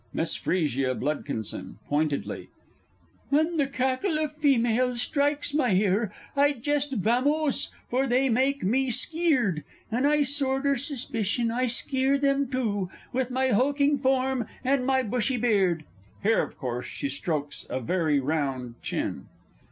MISS F. B. (pointedly). When the cackle of females strikes my ear, I jest vamose, for they make me skeered, And I sorter suspicion I skeer them too, with my hulking form, and my bushy beard! [_Here, of course, she strokes a very round chin.